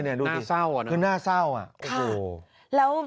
น่าเศร้าคือน่าเศร้าอ่ะโอ้โห